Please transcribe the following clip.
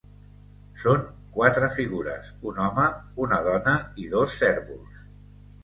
Són quatre figures, un home, una dona i dos cérvols.